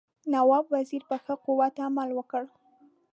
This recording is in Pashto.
نواب وزیر په ښه قوت عمل وکړ.